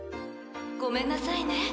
ごめんなさいね